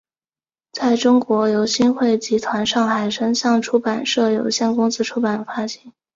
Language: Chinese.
在中国由新汇集团上海声像出版社有限公司出版发行。